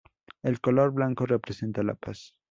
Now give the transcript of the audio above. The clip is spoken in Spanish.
El color blanco representa la paz.